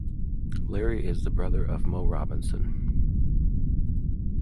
Larry is the brother of Moe Robinson.